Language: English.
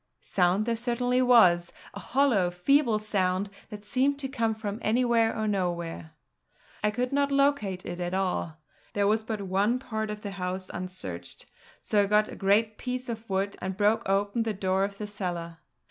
Sound there certainly was, a hollow, feeble sound that seemed to come from anywhere, or nowhere. I could not locate it at all. There was but one part of the house unsearched, so I got a great piece of wood and broke open the door of the cellar.